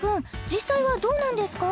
実際はどうなんですか？